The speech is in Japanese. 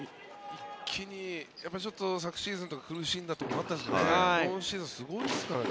ちょっと昨シーズンとか苦しんだところもあったんですが今シーズンはすごいですからね。